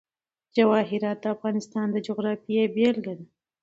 جواهرات د افغانستان د جغرافیې بېلګه ده.